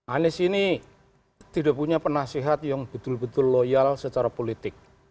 anies ini tidak punya penasihat yang betul betul loyal secara politik